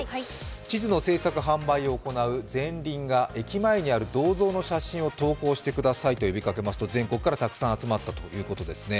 地図の制作・販売を行うゼンリンが銅像の写真を投稿してくださいと呼びかけますと、全国からたくさん集まったということですね。